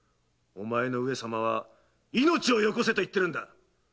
おまえの上様は「命をよこせ」と言ってるんだ。